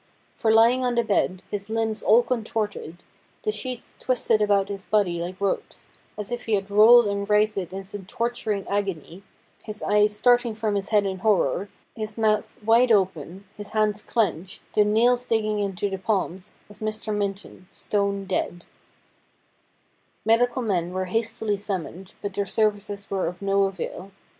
For lying on the bed, his limbs all contorted, the sheets twisted about his body like ropes, as if he had rolled and writhed in some torturing 214 STORIES WEIRD AND WONDERFUL agony, his eyes starting from his head in horror, his mouth wide open, his hands clenched, the nails digging into the palms, was Mr. Minton, stone dead Medical men were hastily summoned, but their services were of no avail.